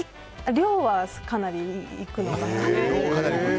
量は、かなりいくので。